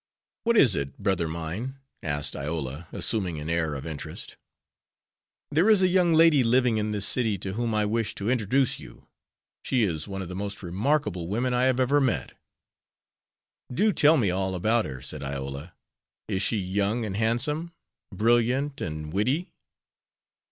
"What is it, brother mine?" asked Iola, assuming an air of interest. "There is a young lady living in this city to whom I wish to introduce you. She is one of the most remarkable women I have ever met." "Do tell me all about her," said Iola. "Is she young and handsome, brilliant and witty?